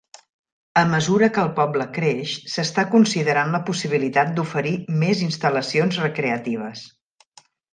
A mesura que el poble creix, s'està considerant la possibilitat d'oferir més instal·lacions recreatives.